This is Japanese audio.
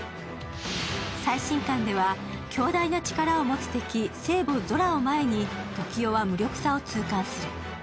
最新刊では、強大な力を持つ敵聖母ゾラを前にトキオは無力さを痛感する。